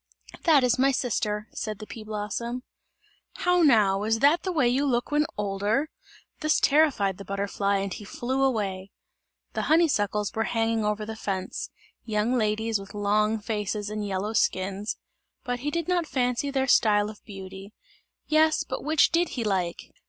"That is my sister," said the pea blossom. "How now, is that the way you look when older?" This terrified the butterfly and he flew away. The honeysuckles were hanging over the fence young ladies with long faces and yellow skins but he did not fancy their style of beauty. Yes, but which did he like?